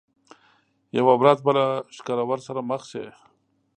یوه ورځ به له ښکرور سره مخ شي.